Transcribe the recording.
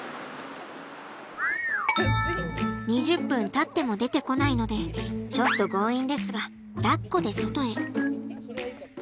２０分たっても出てこないのでちょっと強引ですがだっこで外へ。